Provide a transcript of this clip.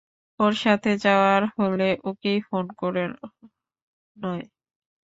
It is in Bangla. ওর সাথে যাওয়ার হলে, ওকেই ফোন করো নয়।